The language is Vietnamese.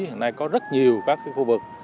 hôm nay có rất nhiều các khu vực